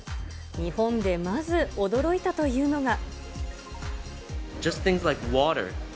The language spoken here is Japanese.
日本でまず驚いたというのが。